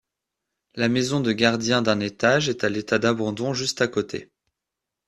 La maison de gardien d'un étage est à l'état d'abandon juste à côté.